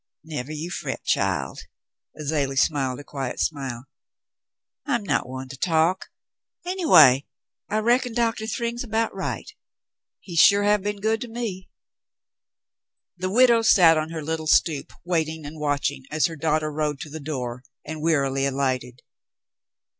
"Nevah you fret, child." Azalea smiled a quiet smile. *'I'm not one to talk ; anyway, I reckon Doctah Thryng's about right. He sure have been good to me." The widow sat on her little stoop, waiting and watch ing, as her daughter rode to the door and wearily alighted.